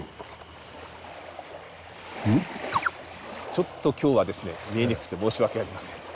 ちょっと今日はですね見えにくくて申し訳ありません。